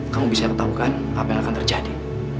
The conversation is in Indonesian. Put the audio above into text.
kamu bisa ketahukan apa yang akan terjadi